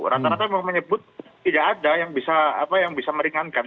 rata rata mau menyebut tidak ada yang bisa meringankan